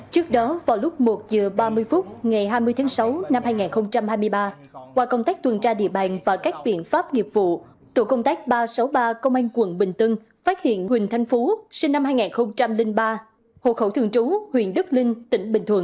trước đó vào lúc một h ba mươi phút ngày hai mươi tháng sáu năm hai nghìn hai mươi ba qua công tác tuần tra địa bàn và các biện pháp nghiệp vụ tổ công tác ba trăm sáu mươi ba công an quận bình tân phát hiện huỳnh thanh phú sinh năm hai nghìn ba hồ khẩu thường trú huyện đức linh tỉnh bình thuận